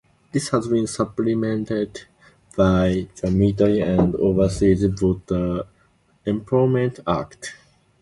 This has been supplemented by the Military and Overseas Voter Empowerment Act.